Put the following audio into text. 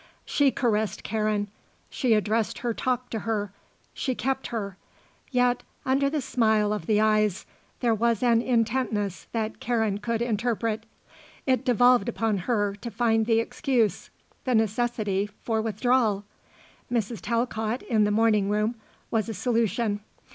She caressed Karen; she addressed her talk to her; she kept her; yet, under the smile of the eyes, there was an intentness that Karen could interpret. It devolved upon her to find the excuse, the necessity, for withdrawal. Mrs. Talcott, in the morning room, was a solution.